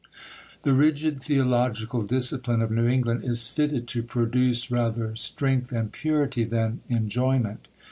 The rigid theological discipline of New England is fitted to produce rather strength and purity than enjoyment.